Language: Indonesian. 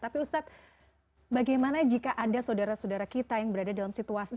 tapi ustadz bagaimana jika ada saudara saudara kita yang berada dalam situasi